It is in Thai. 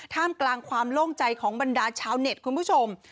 ท่ามกลางความโล่งใจของบรรดาชาวเน็ตคุณผู้ชม